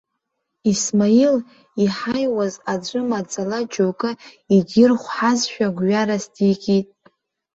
Исмаил, иҳаиуаз аӡәы маӡала џьоукы идирхәҳазшәа гәҩарас дикит.